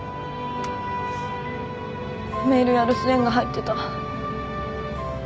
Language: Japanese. メールや留守電が入ってた。